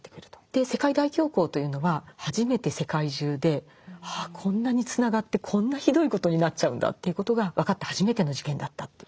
で世界大恐慌というのは初めて世界中でこんなにつながってこんなひどいことになっちゃうんだということが分かった初めての事件だったと。